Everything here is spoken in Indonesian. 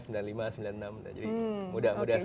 jadi mudah mudahan sekali